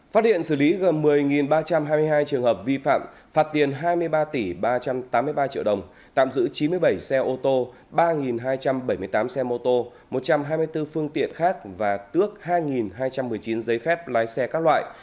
phát hiện xử lý gần một mươi ba trăm hai mươi hai trường hợp vi phạm phạt tiền hai mươi ba tỷ ba trăm tám mươi ba triệu đồng tạm giữ chín mươi bảy xe ô tô ba hai trăm bảy mươi tám xe mô tô một trăm hai mươi bốn phương tiện khác và tước hai hai trăm một mươi chín giấy phép lái xe các loại